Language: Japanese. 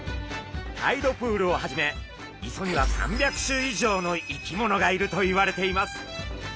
タイドプールをはじめ磯には３００種以上の生き物がいるといわれています。